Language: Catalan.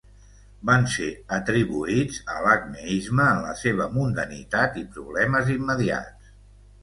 Van ser atribuïts a l'acmeisme en la seva mundanitat i problemes immediats.